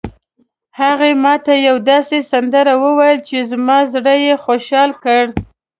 هغې ما ته یوه داسې سندره وویله چې زما زړه یې خوشحال کړ